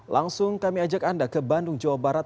langsung kami ajak anda ke bandung jawa barat